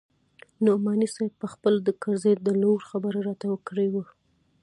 نعماني صاحب پخپله د کرزي د لور خبره راته کړې وه.